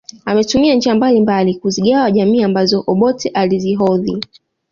Ametumia njia mbalimbali kuzigawa jamii ambazo Obote alizihodhi